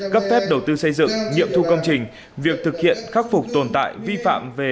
cấp phép đầu tư xây dựng nghiệm thu công trình việc thực hiện khắc phục tồn tại vi phạm về